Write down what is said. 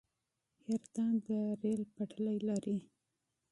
حیرتان د ریل پټلۍ لري